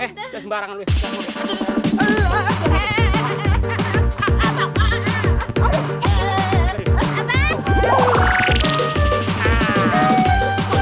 eh dasem barengan lu ya